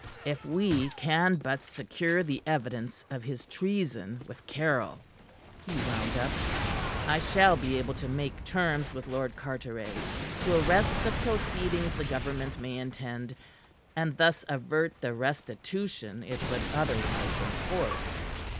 "If we can but secure the evidence of his treason with Caryll," he wound up, "I shall be able to make terms with Lord Carteret to arrest the proceedings the government may intend, and thus avert the restitution it would otherwise enforce."